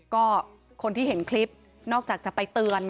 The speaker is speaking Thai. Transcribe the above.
ก็คนที่เห็นคลิปนอกจากจะไปเตือน